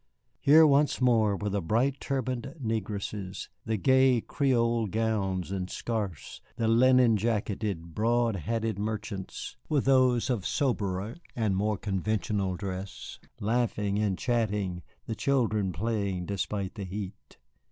Here once more were the bright turbaned negresses, the gay Creole gowns and scarfs, the linen jacketed, broad hatted merchants, with those of soberer and more conventional dress, laughing and chatting, the children playing despite the heat.